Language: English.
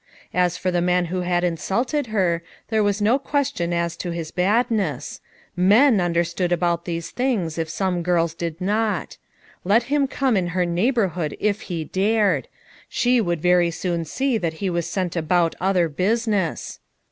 As for the man who had insulted her, there was no question as to his badness; men understood about these things if some girls did not; let him come in her neighborhood if he dared! she would very soon see that he was sent about other busi ness.